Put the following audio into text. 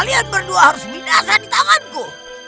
dan berdua harus binasa di tanganku